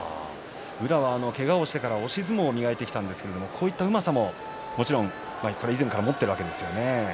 宇良はけがをしてから押し相撲を磨いていたんですがこういったうまさも以前から持ってるわけですね。